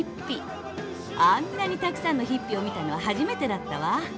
あんなにたくさんのヒッピーを見たのは初めてだったわ。